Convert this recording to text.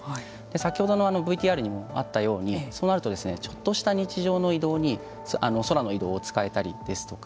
先ほどのＶＴＲにもあったようにそのあとちょっとした日常の移動に空の移動に使えたりですとか